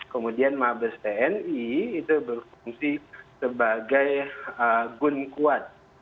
kemudian mabes tni itu berfungsi sebagai gun kuat